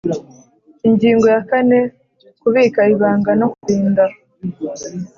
Ingingo ya kane Kubika ibanga no kurinda